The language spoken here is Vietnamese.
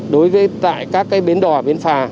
đối với các bến đò bến phà